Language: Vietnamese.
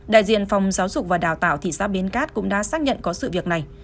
đại diện phòng giáo dục và đào tạo thị xã biên cát cũng đã xác nhận có sự việc này